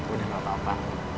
udah gak apa apa